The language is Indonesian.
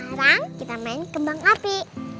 sekarang kita main kembang api